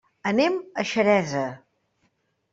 Anem a Xeresa.